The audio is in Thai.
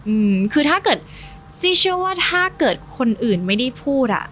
อืมคือถ้าเกิดซี่เชื่อว่าถ้าเกิดคนอื่นไม่ได้พูดอ่ะ